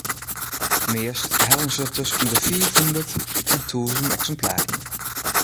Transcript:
Meast hellen se tusken de fiifhûndert en tûzen eksimplaren.